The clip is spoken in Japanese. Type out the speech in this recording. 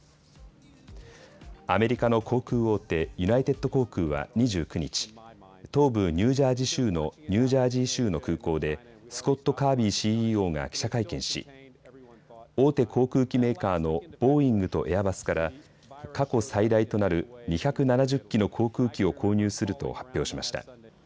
アメリカの航空大手、ユナイテッド航空は２９日、東部ニュージャージー州の空港でスコット・カービーＣＥＯが記者会見し、大手航空機メーカーのボーイングとエアバスから過去最大となる２７０機の航空機を購入すると発表しました。